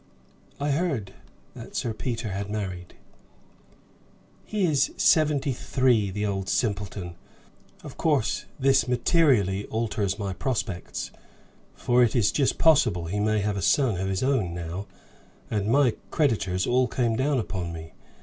"I heard that Sir Peter had married." "He is seventy three the old simpleton! Of course this materially alters my prospects, for it is just possible he may have a son of his own now; and my creditors all came down upon me.